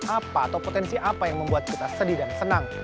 apa atau potensi apa yang membuat kita sedih dan senang